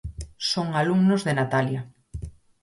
Son alumnos de Natalia.